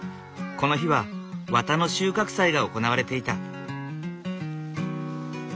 この日は綿の収穫祭が行われていた。